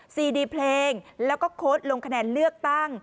ดีเพลงแล้วก็โค้ดลงคะแนนเลือกตั้ง